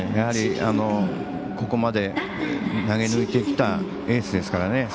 ここまで、投げ抜いてきたエースですからね。